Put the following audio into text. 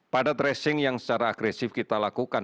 pada tracing yang secara agresif kita lakukan